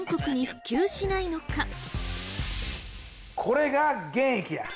これが原液や。